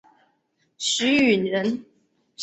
许允人。